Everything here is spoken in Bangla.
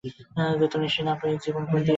নিশি না পোহাতে জীবনপ্রদীপ জ্বালাইয়া যাও প্রিয়া!